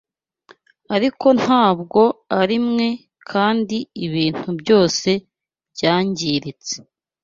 Ariko ntabwo arimwe kandi ibintu byose byangiritse